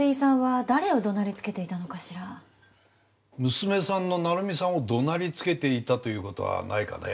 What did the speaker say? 娘さんの成美さんを怒鳴りつけていたという事はないかね？